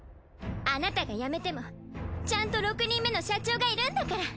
あなたが辞めてもちゃんと６人目の社長がいるんだから！